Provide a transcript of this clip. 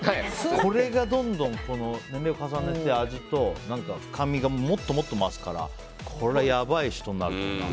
これが年齢を重ねて味と深みがもっともっと増すからこれ、やばい人になるな。